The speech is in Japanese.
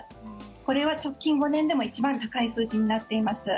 これは直近５年でも一番高い数字になっています。